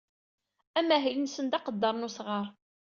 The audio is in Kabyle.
Amahil-nsen d aqedder n usɣar.